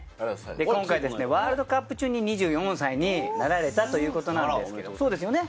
今回ワールドカップ中に２４歳になられたということなんですけれども、そうですよね？